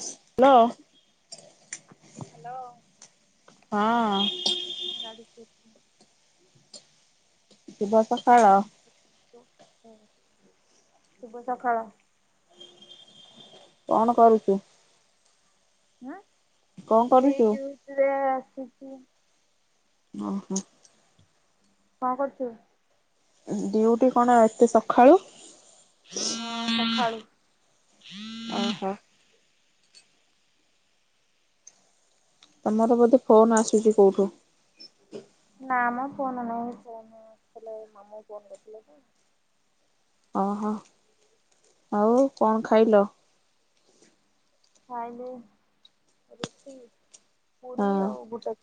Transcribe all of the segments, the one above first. Hello hello. ହଁ। ଗାଡ଼ି ସେ ଶୁଭ ସକାଳ। ଶୁଭ ସକାଳ। କଣ କରୁଚୁ? ଉଁ କଣ ଏଇ କରୁଛୁ? ଡ଼ିୟୁଟିରେ ଆସିଚି। ଓହୋ। କଣ କରୁଚୁ? ଡିୟୁଟି କଣ ଏତେ ସଖାଳୁ? [inaudible] ଓହୋ। ତମର ବୋଧେ ଫୋନ୍ ଆସୁଛି କେଉଁଠୁ? ନାଁମ ଫୋନ୍ ନୁହଁ ଫୋନକଲେ ମାମୁଁ ଫୋନ କରିଥିଲେ। ଓହୋ। ଆଉ କଣ ଖାଇଲ? ଖାଇଲି ରୁଟି ହଁ ପୁରୀ ଆଉ ବୁଟ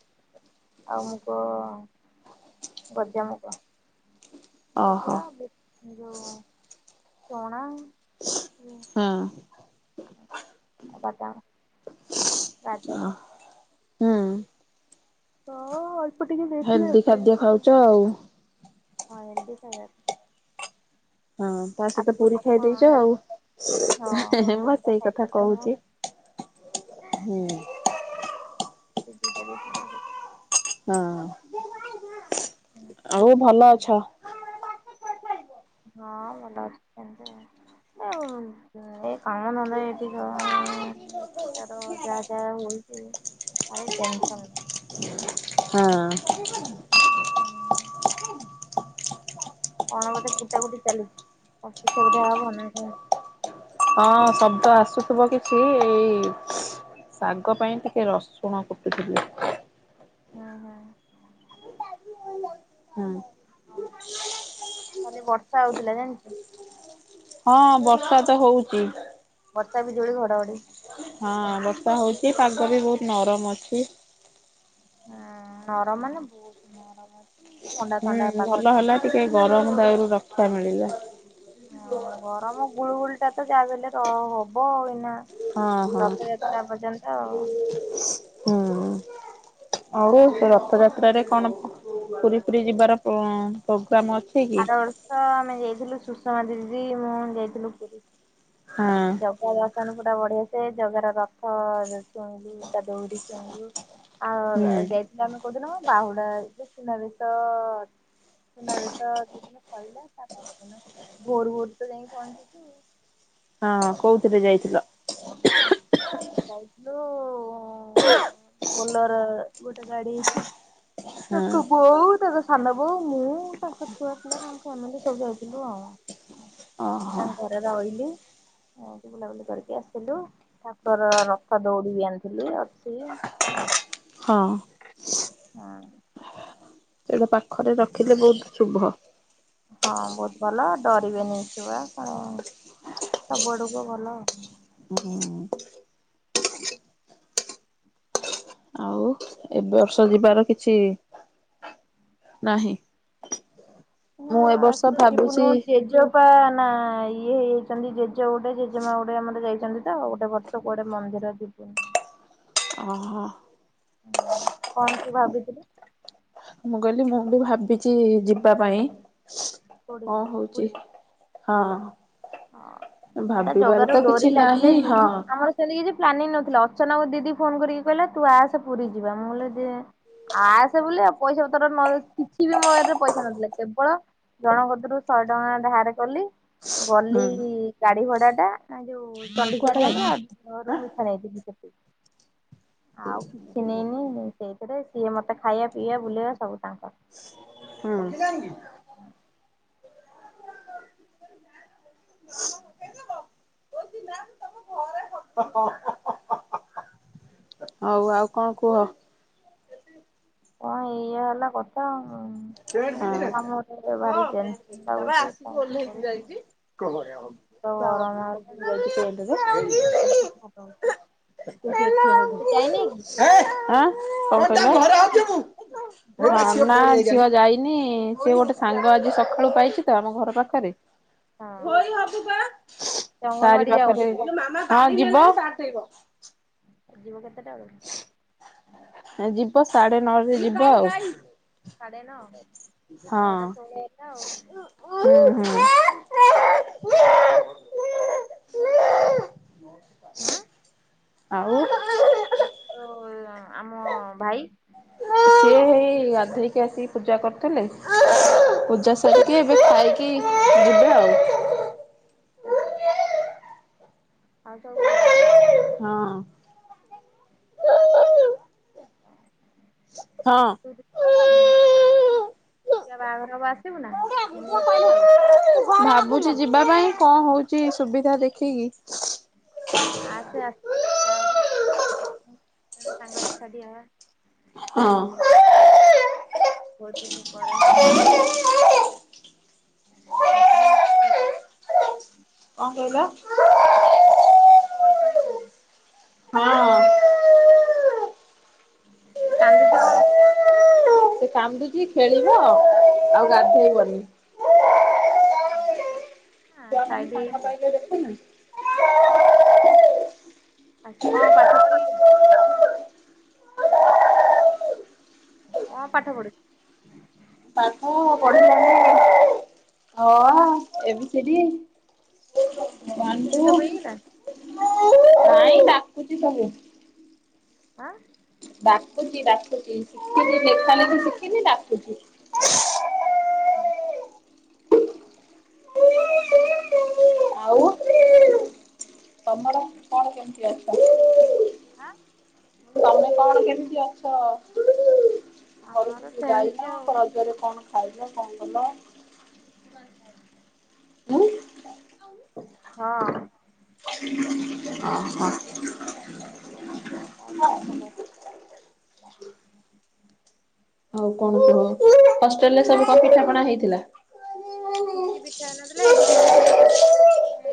ଆଉ ମୁଗ ଗଜା ମୁଗ। ଓହୋ ଗଜା ବୁ ଯଉ ଚଣା। ହଁ। ଅଦା, ଗାଜର। ହୁଁ ହଁ ଅଳ୍ପ ଟିକେ ଦେଥିଲେ ଆଉ ହେଲ୍ଦି ଖାଦ୍ୟ ଖାଇଦେଇ ଖାଉଛ ଆଉ ଥିଲି ଆଉ। ହଁ। ତା ଆଉ ସହିତ ପୁରୀ ଟା ଖାଇ କଣ ଦେଇେଛ ହେଲ୍ଦି ଆଉ। ହଁ ମୁଁ ପା ପୁରୀଟା ସେଇ ଖାଇବା କଥା ନୁହଁ କୋହୁଚି। ହୁଁ। ସେ ଦୁଇଟା ଦେଇଥିଲା ଖାଇଦୋଉଚି। ହଁ ଆଉ ଏ ଭଲ ଅଛ? ହଁ ଭଲ ଅଛ ସେମିତି ଆଉ। ଉଁ ଏ [inaudible] ତାର ଯାଆ ଯାଆ ହୋଉଚି ଭାରି ଅଛ? ଟେନସନ ଲଗୁଚି। ହଁ। ହୁଁ। କଣ ବୋଧେ କୁଟା କୁଟି ଚାଲିଛି କଁ ପିଠା ଫିଟା ହବ ନା କଁ? ହଁ ଶବ୍ଦ ଆସୁଥିବ କିଛି ଏଇ ଏଇ ଶାଗ ପାଇଁ ଟିକେ ରସୁଣ କୁଟୁଥିଲି। ହୁଁ ହୁଁ। ହୁଁ। ହଁ କାଲି ବର୍ଷା ହଉଥିଲା ଜାଣିଚ? ହଁ ବର୍ଷା ତ ହୋଉଚି। ବର୍ଷା, ବିଜୁଳି, ଘଡଘଡ଼ି। ହଁ ବର୍ଷା ହୋଉଛି ପାଗ ବି ବୋହୁତ୍ ନରମ୍ ଅଛି। ହୁଁ ନରମ ମାନେ ବୋହୁତ ନରମ ଅଛି ଥଣ୍ଡା ଥଣ୍ଡା ହୁଁ ଭଲ ପାାଗଟା। ହେଲା ଟିକେ ଗରମ ଦାଉରୁ ରକ୍ଷା ମିଳିଲା। ହଁ ଗରମ ଗୁଳୁ ଗୁଳି ଟା ତ ଯାହା ବି ହେଲେ ର ହବ ଏଇନା। ହଁ ହଁ ରଥଯାତ୍ରା ପର୍ଯ୍ୟନ୍ତ ଆଉ। ହୁଁ ଆଉ ରଥଯା ତ୍ରା ରେ କଣ ପୁ ପୁରୀ ଫୁରୀ ଯିବାର ପୋ ପୋଗ୍ରାମ୍ ଅଛି? କି? ଆର ବର୍ଷ ଆମେ ଯାଇଥିଲୁ ସୁଷମା ଦିଦି ମୁଁ ଯାଇଥିଲୁ ପୁରୀ। ହଁ। ଜଗା ଦର୍ଶନ ପୁରା ବଢିଆ ସେ ଜଗା ର ରଥ ଯେ ଛୁଇଁଲୁ ତା ଦୋଉଡି ଛୁଇଁଲୁ। ଆଉ ର ହୁଁ ର ଯାଇଥିଲୁ ଆମେ କୋଉଦିନ କନି ବାହୁଢା ଯୋଉ ସୁନାବେଶ। ସୁନା ବେଶ ଯୋଉଦିନ ସଇଲା ତା ପର ଦିନ ଭୋରୁ ଭୋରୁ ତ ଯାଇଁକି ପହଞ୍ଚିଛୁ। ହଁ କୋଉଥିରେ ଯାଇଥିଲ? ଯାଇଥିଲୁ ବୋଲର ଗୋଟେ ଗାଡି ହେଇଥିଲା। ହଁ ତାଙ୍କ ବୋଉ, ତାଙ୍କ ସାନ ବୋଉ, ମୁଁ ତାଙ୍କ ଛୁଆ ପିଲା ତାଙ୍କ ଫ୍ୟାମିଲି ସବୁ ଯାଇଥିଲୁ ଆଉ। ହ [inaudible] ତାଙ୍କ ଘରେ ରହିଲି ଏମିତି ବୁଲାବୁଲି କରିକି ଆସିଲୁ। ତୋର ରଥ ଦୋଉଡି ଆଣିଥିଲି ଅଛି। ହଁ। ହଁ ସେଇଟା ପାଖରେ ରଖିଲେ ବୋହୁତ୍ ଶୁଭ। ହଁ ବୋହୁତ୍ ଭଲ ଡରିବେଇଁ ଛୁଆ ସବୁଆଡକୁ ତ ଭଲ ଆଉ। ହୁଁ। ଆଉ ଏ ବର୍ଷ ଯିବାର କିଛି ନାହିଁ? ନୂଆ ମୁଁ ଏ ବା ବର୍ଷ ଆସୁ ଚିପୁନୁ ଭାବିଛି ର ମୋର ଜେଜ ବାପା ନା ଇଏ ହେଇଯାଇଛନ୍ତି ଜେଜେ ଗୋଟେ ଜେଜେମା ଗୋଟେ ଆମର ଯାଇଛନ୍ତି ତ ଆଉ ଗୋଟେ ବର୍ଷ କୁଆଡେ ମନ୍ଦିର ଯିବୁନି। [inaudible] ଓହ। କଣ ତୁ ଭାବିଥିଲୁ? ମୁଁ କହିଲି ମୁଁ ବି ଭାବିଛି ଯିବା ପାଇଁ। [inaudible] କୋଉଠିକି କଣ ହଉଛି। ହଁ, ହଁ। ହଁ ସେଟା ଭାବିବାର ତ ଜଗାରୁୁ କିଛି ଡରି ନାହିଁ ଲାଗିଲା ଯୋଉ ହଁ ଆମ ସେମିତି କିଛି ପ୍ଲାନିଂ ନଥିଲା ଅର୍ଚ୍ଚନାକୁ ଦିଦି ଫୋନ କରିକି କହିଲା ତୁ ଆସେ ପୁରୀ ଯିବା ମୁଁ କହିଲି ଯେ ଆସେ ବୋଲି ପଇସା ପତର କିଛି ବି ମୋ ପାଖରେ ପଇସା ନଥିଲା। କେବଳ ଜଣକ କତିରୁ ଶହେ ଟଙ୍କା ଧାର କଲି ଗଲି ହୁଁ ଗାଡି ଭଡା ଟା ଯୋଉ କୁଆଡେ ଗଲା? ଆଁ [inaudible] ମିଠା ନେଇଥିଲି। ସେତିକି। ଆଉ କିଛି ନେଇନି ସେଇଥିରେ ସିଏ ମତେ ଖାଇବା ପିଇବା ବୁଲେଇବା ସବୁ ତାଙ୍କର। ହୁଁ। [unintelligible] [unintelligible] ହଉ ଆଉ କଣ କୁହ? କଣ ଏଇଆ ହେଲା କଥା ଆଉ ଉଁ। ଏମତି କାମ ଟିକେ ଭାରି ଟେନସ ଲାଗୁଛି କଣ କରି ହେଲାଣି। [unintelligible] [unintelligible] ସେ ଗୋଟିଏ ଯାଇ ନାଇଁ କି? ଛୁଆ ଆଁ ଝିଅ ଯାଇନି? [unintelligible] ହଁ ନା ଝିଅ ଯାଇନି ସିଏ ଗୋଟେ ସାଙ୍ଗ ଆଜି ସକାଳୁ ପାଇଛି ତ ଆମ ଘର ପାଖରେ। ହଁ [inaudible] ଧୋଇ ହବୁବା। ସେ ଅଙ୍ଗନବାଡି ଯାଉନି ତାରିପାଖରେ [unintelligible] ହଁ ଯିବ। ଯିବ କେତେଟା ବେଳକୁ? ଯିବ ସାଢେ ନଅରେ ଯିବ ଆଉ। ସାଢେ ନଅ। ନଅଟା ହଁ ଷୋହଳ ହେଲା ଆଉ। [inaudible] ହୁଁ [inaudible] ଆଉ? ଆଉ ତୋ ଆମ ଭାଇ? ସେ ଗାଧୋଇକି ଆସିକି ପୂଜା କରୁଥିଲେ। [inaudible] ପୂଜା ସାରିକି ଏବେ ଖାଇକି ଯିବେ ଆଉ। [unintelligible] ଆଉ ସବୁ ଭଲ? ହଁ। [inaudible] ହଁ। ଝିଅ ବାହାଘର ହବ ଆସିବୁ ନା? ମୁଁ ତ ଯାଉଚ ଭାବୁଛି ଯିବା ପାଇଁ କଣ ହଉଛି ସୁବିଧା ଦେଖିକି ଆସେ ଆସିଲେ ଦେଖାହବ ଦିଜଣ ସାଙ୍ଗ ଏକାଠି ହେବା। ହଁ। [inaudible] ବହୁତଦିନି ପରେ। କଣ ଆସିଲେ ମତେ କହିବୁ। କଣ କହିଲ? ଆସିଲେ ମତେ କଲ୍ କରିବୁ। ହଁ। ସେ କାନ୍ଦୁଚି କଣ ସେ କାନ୍ଦୁଚି ଖେଳିବ ଆଉ ଗାଧେଇବନି। [unintelligible] ଛୁଆମାନେ ସାଇଡ ସାଙ୍ଗ ହେଇଯା ପାଇଲେ ଦେଖୁନ ଆଉ ସେ କଣ ପାଠ ପଢିବେ। କଣ ପାଠ ପଢ ପ ତାକୁ ପଢେ [unintelligible] ହାଁ? A B C D. A B C D ସବୁ ହେଇଗଲା। ବୁଝିପାରିଲିନି। ଆଁ? ଡାକୁୁଚି ଡ଼ାକୁଚି ଶିଖ [unintelligible] ଲେଖା ଶିଖିନି ଡାକୁଚି। ହୁଁ। ଆଉ ତମର କଣ କେମିତି ଅଛ? ହାଁ? ତମେ କଣ କେମିତି ଅଛ ଆମର ଘରୁକୁ ବି ସେମିତି ଯାଇନ ଆଉ ରଜରେ କଣ ଖାଇଲ କଣ କଲ? ଉଁ ହଁ। [unintelligible] ଅ ହ। ଆଉ କଣ ଖବର? [unintelligible] ଆଉ କଣ କୁହ ହଷ୍ଟେଲ୍ ରେ ସବୁ କଣ ପିଠା ପଣା ହେଇଥିଲା? କିଛି ପିଠା ହେଇ ନଥିଲା ଏଇଠି ଖାଲି ଯାହା ଦେଇଥିଲେ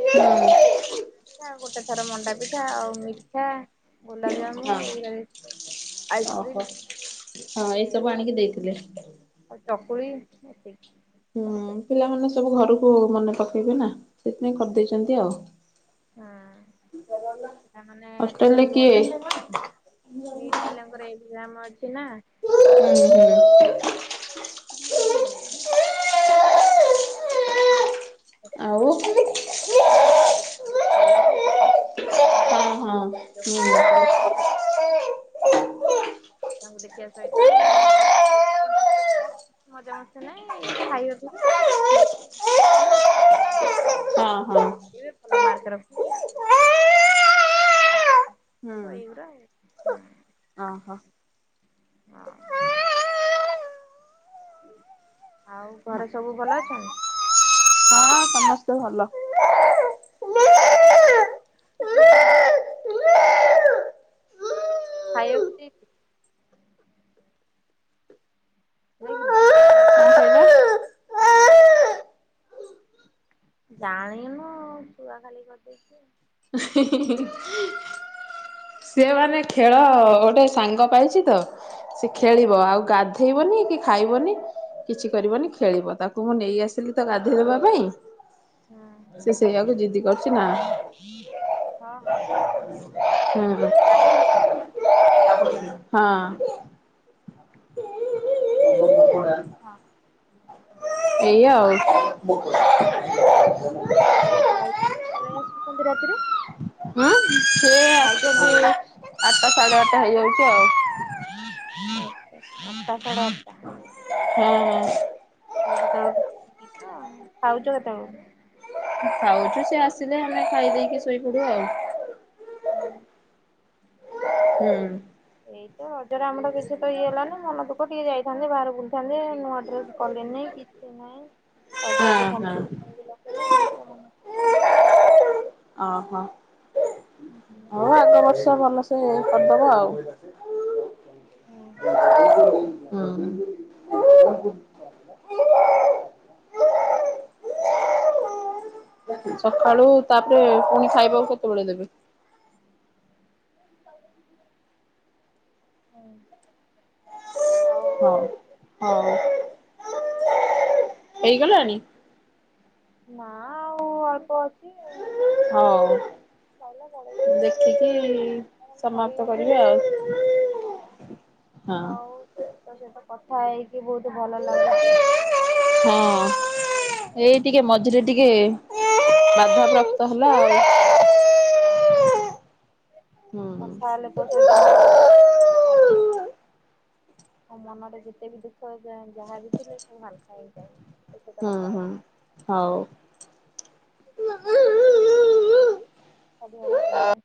ଏଁ ହଁ ଗୋଟେ ଗୋଟେ କାକେରା। ପିଠା ଆଉ ଗୋଟେ ଥର ମଣ୍ଡା ପିଠା ଆଉ ମିଠା ଗୋଲାପଜାମ୍ମୁ ଏଇ ଗୁରା ଦେଇଥିଲେ ଆଉ ଆଇସ୍କ୍ରିମ୍ ଓହୋ ହଁ ଏଇଆ ଏସବୁ ପା ଆଣିକି ଦେଇଥିଲେ। ଆଉ ଚକୁଳି ହେତିକି। ହୁଁ ପିଲାମାନେ ସବୁ ଘରକୁ ମନେ ପକେଇବେ ନା ସେଥିପାଇଁ କରି ଦେଇଚନ୍ତି ଆଉ। ହଁ ପିଲାମାନେ ତ ସବୁ ହଷ୍ଟେଲରେ ଏଇ ଅନ୍ କିଏ? ଲାଇନ୍ ଥିବେ ତାପରେ ଏଇଠି ପିଲାଙ୍କର ଏକ୍ଜାମ୍ ଅଛି ନା। ହୁଁ ହୁଁ। ସେଥିପାଇଁ ଆଉ [unintelligible] ଯୋଉ ମାନେ ଗଲେ ଗଲେ ଯୋଉମାନେ ନ ଗଲେ ହୁଁ। ପିଲାଙ୍କୁ ଦେଖିବା ସହିତ ମୁଁ ଏଇ ହୁଁ। [unintelligible] ମଜା ମସ୍ତି ନାହିଁ ଏଇ ଖାଇବା ହଁ ପିଇବା ସେଇ ହଁ। [unintelligible] ଭଲ ମାର୍କ ରଖିବେ ହୁଁ [unintelligible] ଆଇଗୁରା ହଁ। ଓହୋ। ହୁଁ ଆଉ ଘରେ ସବୁ ଭଲ ଅଛନ୍ତି? ହଁ ସମସ୍ତେ ସ୍ତେ ଭଲ। ତାକୁ ଖାଇବା ଦିଅ ସେ ଚୁପ୍ ହେଇଯିବ। ଖାଇବାକୁ ଦେଇ ଦିଅ। ଦେଇଥିଲୁ ଖାଇବାକୁ ଜାଣିନୁ, ଛୁଆ ଖାଲି କରି ଦେଇଛୁ ଆଉ। [unintelligible] ସିଏ ମାନେ ଖେଳ ଗୋଟେ ସାଙ୍ଗ ପାଇଛି ତ। ସେ ଖେଳିବ, ଆଉ ଗାଧେଇବନି କି ଖାଇବନି। କିଛି କରିବନି ଖେଳିବ, ତାକୁ ମୁଁ ନେଇ ଆସିଲି ତ ଗାଧୋଇ ଦେବା ପାଇଁ। ସେ ସେଇଆକୁ ଜିଦି କରୁଛି ନା [unintelligible] ହୁଁ। [unintelligible] ହଁ। ହଁ। ଏଇଆ ଆଉ। [unintelligible] ହୁଁ। [unintelligible] [unintelligible] ହୁଁ। ଆଠ ଟା ସାଢ଼େ ଆଠ ଟା ହେଇଯାଉଛି ଆଉ। [unintelligible] ହୁଁ। [unintelligible] ଖାଉଛ କେତେବେଳେ? ଖାଉଚୁ ସିଏ ଆସିଲେ ଆମେ ଖାଇ ଦେଇକି ଶୋଇପଡ଼ୁ ଆଉ। ହୁଁ। ଏଇ ଏଇ ରଜ ରେ ଆମର କିଛି ତ ଇଏ ହେଲାନି ମନ ଦୁଃଖ ଟିକେ ଯାଇଥାଆନ୍ତି ବାହାରେ ବୁଲିଥାନ୍ତି, ନୂଆ ଡ୍ରେସ କଲ [unintelligible] ନାଇଁ ଅଜ ହଁ ଅଜ ହଁ ସମସ୍ତେ ନେଇକି ଲଗେଇଲେ ମୁଁ ଟିକେ ମନ [unintelligible] ହେଲା ଆଉ। ଆଁ ହା। [inaudible] ତ ଭଲସେ କରିଦେବ ଆଉ। [unintelligible] ହଁ। [inaudible] [inaudible] ସକାଳୁ ତାପରେ ପୁଣି ଖାଇବାକୁ କେତେବେଳେ ଦେବେ? [inaudible] ହୁଁ ହଉ। [inaudible] ହଁ [unintelligible] ହେଇଗଲାଣି? ନା ଆଉ ଅଳ୍ପ ଅଛି ଆଉ। ହଉ। ଚାଲା [unintelligible] ଦେଖିକି [unintelligible] ସମାପ୍ତ ସରିଗଲେ କରିବେ ଆଉ। ହଁ ହଁ। ହୋଉ ତୋ ସହିତ କଥା ହେଇକି ବୋହୁତ ଭଲ ଲାଗୁଚି। ହଁ। ଏଇ ଟିକେ ମଝିରେ ଟିକେ ବାଧାପ୍ରାପ୍ତ ହେଲା ଆଉ। ହଁ ହୁଁ। କଥା ହେଲେ ତୋ ସହିତ ହୁଁ [unintelligible] ମୋ ମନରେ ଯେତେ ବି ଦୁଃଖ ଯା ଯାହାବି ଥିଲେ ସବୁ ହାଲକା ହେଇଯାଏ। ତୋ ସହିତ ହଁ କଥା ହଁ ହେଲେ ହଉ ହଉ। ଅବା ସେଇୟା